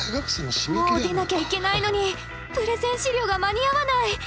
もう出なきゃいけないのにプレゼン資料が間に合わない！